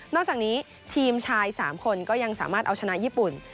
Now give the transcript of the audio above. จากนี้ทีมชาย๓คนก็ยังสามารถเอาชนะญี่ปุ่น